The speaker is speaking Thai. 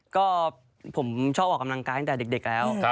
ก็ผมชอบออกกำลังกายตั้งแต่เด็กแล้ว